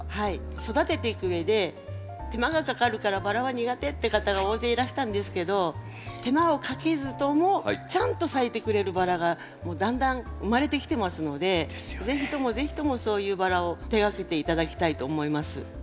育てていくうえで手間がかかるからバラは苦手って方が大勢いらしたんですけど手間をかけずともちゃんと咲いてくれるバラがだんだん生まれてきてますので是非とも是非ともそういうバラを手がけて頂きたいと思います。